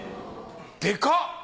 でかっ！